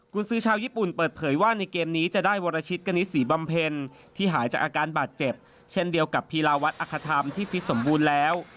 คุณซื้อชาวญี่ปุ่นเปิดเผยว่าในเกมนี้จะได้วรชิตกณิตศรีบำเพ็ญที่หายจากอาการบาดเจ็บเช่นเดียวกับพีลาวัดอคธรรมที่ฟิตสมบูรณ์แล้ว